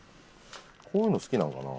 こういうの好きなんかな？